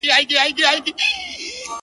• چي ناکس ته یې سپارلې سرداري وي -